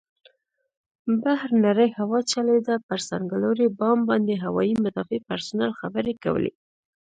بهر نرۍ هوا چلېده، پر څنګلوري بام باندې هوايي مدافع پرسونل خبرې کولې.